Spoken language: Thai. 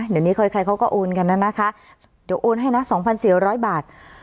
เดี๋ยวนี้ใครเขาก็โอนกันนะนะคะเดี๋ยวโอนให้นะสองพันเสียร้อยบาท